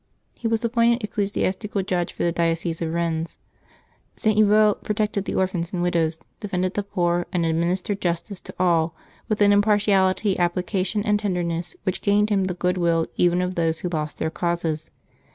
He was ap pointed ecclesiastical judge for the diocese of Eennes. St. Yvo protected the orphans and widows, defended the poor, and administered justice to all with an impartiality, appli cation, and tenderness which gained him the good will even of those who lost their causes.